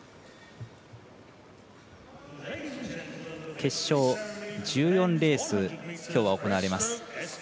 決勝、１４レースきょうは行われます。